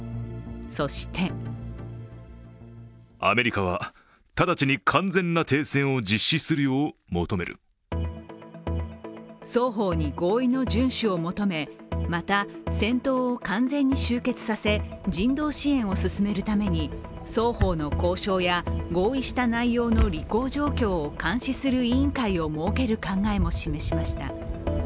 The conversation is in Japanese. そして双方に合意の順守を求め、また、戦闘を完全に終結させ、人道支援を進めるために双方の交渉や合意した内容の履行状況を監視する委員会を設ける考えも示しました。